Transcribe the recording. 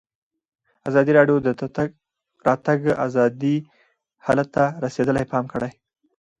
ازادي راډیو د د تګ راتګ ازادي حالت ته رسېدلي پام کړی.